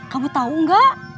kamu tau gak